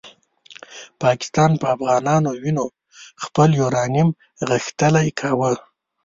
پاکستان په افغانانو وینو خپل یورانیوم غښتلی کاوه.